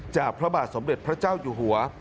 พระบาทสมเด็จพระเจ้าอยู่หัว